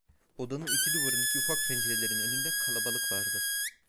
Odanın iki duvarındaki ufak pencerelerin önünde kalabalık vardı.